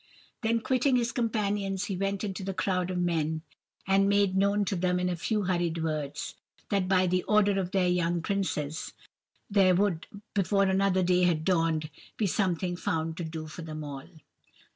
Then quitting his companions, he went into the crowd of men, and made known to them in a few hurried words, that, by the order of their young princes, there would, before another day had dawned, be something found to do for them all.